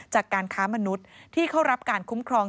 จากการค้ามนุษย์ที่เข้ารับการคุ้มครอง